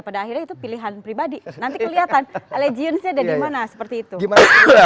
pada akhirnya itu pilihan pribadi nanti kelihatan allegiance nya ada dimana seperti itu